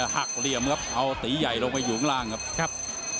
เหลี่ยมครับเอาตีใหญ่ลงไปอยู่ข้างล่างครับครับ